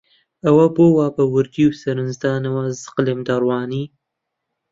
ئەوە بۆ وا بە وردی و سەرنجدانەوە زەق لێم دەڕوانی؟